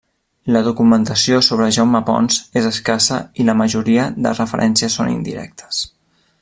La documentació sobre Jaume Ponç és escassa i la majoria de referències són indirectes.